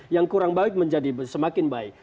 yang kurang baik menjadi semakin baik